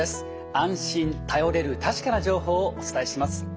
安心頼れる確かな情報をお伝えします。